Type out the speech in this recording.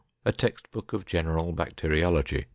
A text book of General Bacteriology.